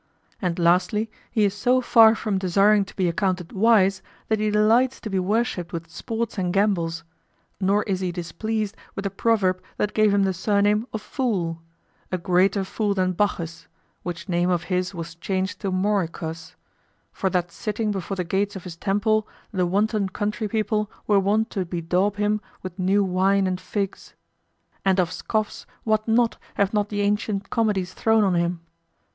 And lastly, he is so far from desiring to be accounted wise that he delights to be worshiped with sports and gambols; nor is he displeased with the proverb that gave him the surname of fool, "A greater fool than Bacchus;" which name of his was changed to Morychus, for that sitting before the gates of his temple, the wanton country people were wont to bedaub him with new wine and figs. And of scoffs, what not, have not the ancient comedies thrown on him?